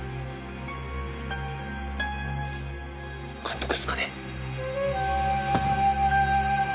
監督ですかね？